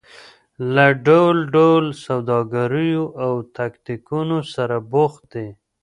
له ډول ډول سوداګریو او تاکتیکونو سره بوخت دي.